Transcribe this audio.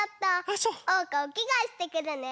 おうかおきがえしてくるね。